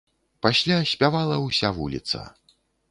Пасля спявала ўся вуліца.